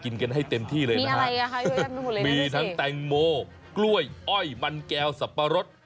กันให้เต็มที่เลยนะฮะมีทั้งแตงโมกล้วยอ้อยมันแก้วสับปะรด